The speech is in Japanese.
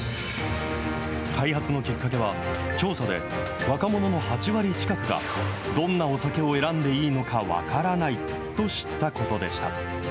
開発のきっかけは、調査で若者の８割近くが、どんなお酒を選んでいいのか分からないと知ったことでした。